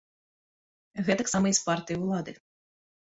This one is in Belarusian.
Гэтак сама і з партыяй улады.